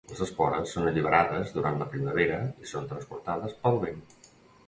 Les espores són alliberades durant la primavera i són transportades pel vent.